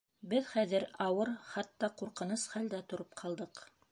Беҙ хәҙер ауыр, хатта ҡурҡыныс хәлдә тороп ҡалдыҡ.